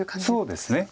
そうですね。